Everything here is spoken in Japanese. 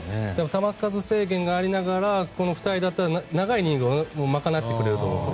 球数制限がありながらこの２人なら長いイニングを賄ってくれると思うので。